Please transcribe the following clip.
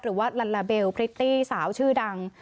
หรือว่าลาลาเบลพริตตี้สาวชื่อดัง